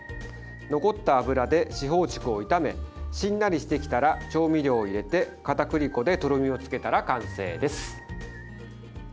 残った油で四方竹を炒めしんなりしてきたら調味料を入れてかたくり粉でとろみをつけたら完成です。